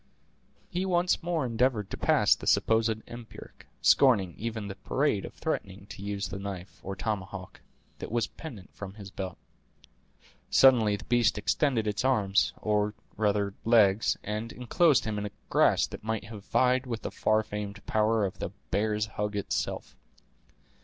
He once more endeavored to pass the supposed empiric, scorning even the parade of threatening to use the knife, or tomahawk, that was pendent from his belt. Suddenly the beast extended its arms, or rather legs, and inclosed him in a grasp that might have vied with the far famed power of the "bear's hug" itself.